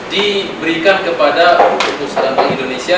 diberikan kepada keputusan bank indonesia